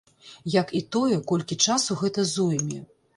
Як і тое, колькі часу гэта зойме.